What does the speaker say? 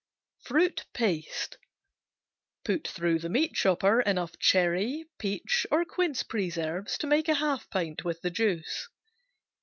Fruit Paste Put through the meat chopper enough cherry, peach, or quince preserves to make a half pint with the juice.